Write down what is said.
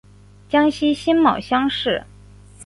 江西辛卯乡试。